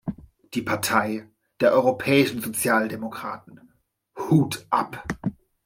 Die Partei der Europäischen Sozialdemokraten, Hut ab!